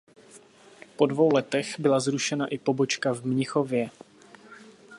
Po dvou letech byla zrušena i pobočka v Mnichově.